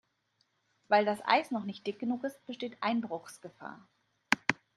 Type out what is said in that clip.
Weil das Eis noch nicht dick genug ist, besteht Einbruchsgefahr.